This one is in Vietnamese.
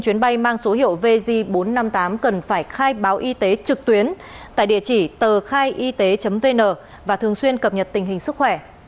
từ sân bay phú quốc về sân bay nội bài hà nội